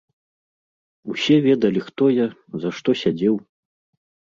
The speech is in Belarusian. Усе ведалі хто я, за што сядзеў.